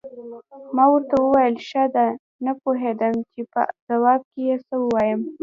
ما ورته وویل: ښه ده، نه پوهېدم چې په ځواب کې یې څه ووایم.